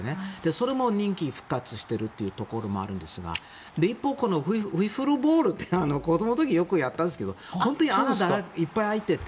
それも人気復活しているというところもあるんですが一方、ウィッフルボールって子どもの時によくやったんですけど本当に穴がいっぱい開いていて。